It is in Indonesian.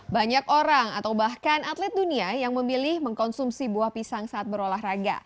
banyak orang atau bahkan atlet dunia yang memilih mengkonsumsi buah pisang saat berolahraga